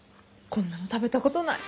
こんなの食べたことない！